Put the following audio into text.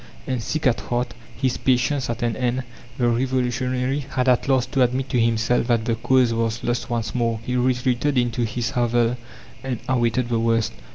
And, sick at heart, his patience at an end, the revolutionary had at last to admit to himself that the cause was lost once more. He retreated into his hovel and awaited the worst.